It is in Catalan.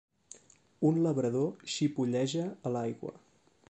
un labrador xipolleja a l'aigua.